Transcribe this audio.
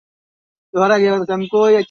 এই নদীতে সারা বছরই পর্যাপ্ত পানি থাকে।